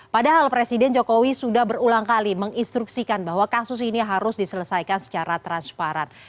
padahal presiden jokowi sudah berulang kali menginstruksikan bahwa kasus ini harus diselesaikan secara transparan